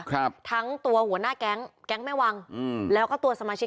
เราวิ่งแล้วไง